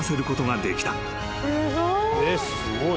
すごい。